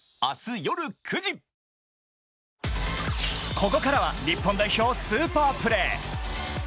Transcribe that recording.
ここからは日本代表スーパープレー。